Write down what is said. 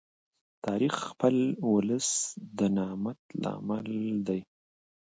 تاریخ د خپل ولس د نامت لامل دی.